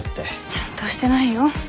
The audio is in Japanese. ちゃんとしてないよ。